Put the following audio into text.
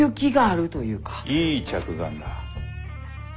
いい着眼だ。